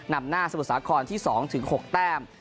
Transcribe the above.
นำหน้าสมุดสาขรที่๒ถึง๖แต้ม